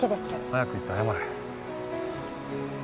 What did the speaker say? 早く行って謝れ。